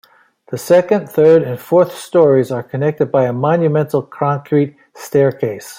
The second, third, and fourth stories are connected by a monumental concrete staircase.